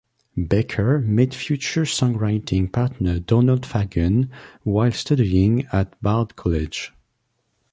Becker met future songwriting partner Donald Fagen while studying at Bard College.